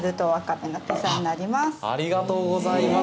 ありがとうございます。